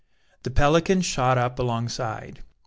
The Pelican shot up alongside.